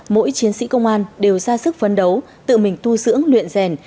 mỗi chiến sĩ công an đều ra sức phấn đấu tự mình tu dưỡng luyện rèn